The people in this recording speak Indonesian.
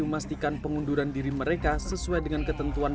memastikan pengunduran diri mereka sesuai dengan ketentuan